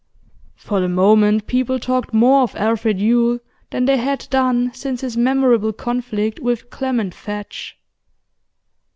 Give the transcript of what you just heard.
For the moment people talked more of Alfred Yule than they had done since his memorable conflict with Clement Fadge.